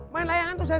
main layangan jalanan